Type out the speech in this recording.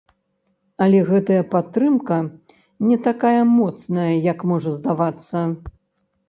Але гэтая падтрымка не такая моцная, як можа здавацца.